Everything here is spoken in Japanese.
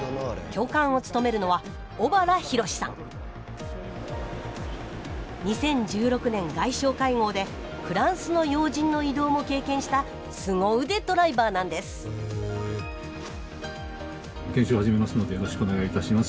教官を務めるのは２０１６年外相会合でフランスの要人の移動も経験したすご腕ドライバーなんですよろしくお願いします。